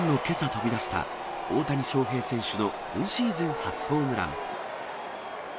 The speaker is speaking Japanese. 飛び出した、大谷翔平選手の今シーズン初ホームラン。